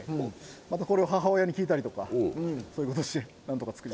またこれを母親に聞いたりとかそういうことしてなんとか作って。